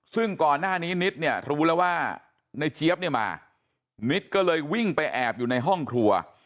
ซึ่งก่อนหน้านี้นิดเนี่ยรู้แล้วว่าในเจี๊ยบเนี่ยมานิดก็เลยวิ่งไปแอบอยู่ในห้องครัว